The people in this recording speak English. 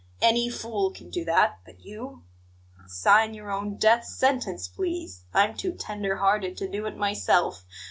Any fool can do that! But you 'Sign your own death sentence, please; I'm too tender hearted to do it myself.'